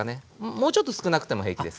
もうちょっと少なくても平気です。